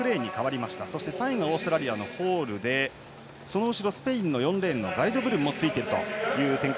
そしてオーストラリアのホールでその後ろ、スペインの４レーンのガリドブルンもついているという展開。